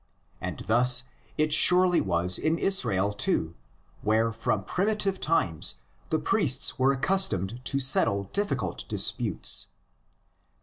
And thus it surely was in Israel too, where from primitive times the priests were accustomed to settle difficult dis putes.